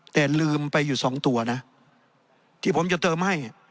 แต่ลืมไปอยู่สองตัวนะที่ผมจะเติมให้